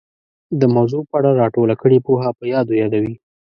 د موضوع په اړه را ټوله کړې پوهه په یادو یادوي